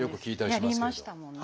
やりましたもんね。